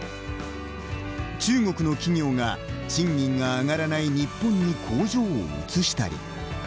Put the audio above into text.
中国の企業が、賃金が上がらない日本に工場を移したり。